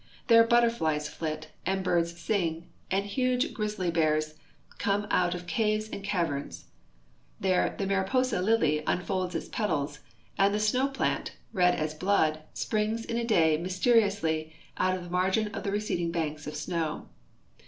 There butterflies flit, and birds sing, and huge grizzly bears come out of caves and caverns. There the mariposa lily iinfolds its petals, and the snow plant, red as blood, springs in a day mysteriously out of the margin of the receding banks of snow.